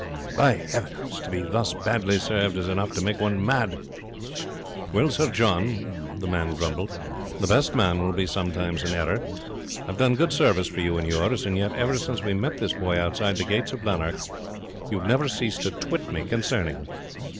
By Heavens! to be thus badly served is enough to make one mad!" "Well, Sir John," the man grumbled, "the best man will be sometimes in error. I have done good service for you and yours, and yet ever since we met this boy outside the gates of Lanark you have never ceased to twit me concerning him.